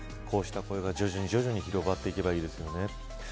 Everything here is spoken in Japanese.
こうした声が徐々に徐々に広がっていけばいいですよね。